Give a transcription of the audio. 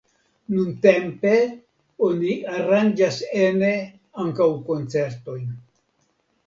Nuntempe oni aranĝas ene ankaŭ koncertojn.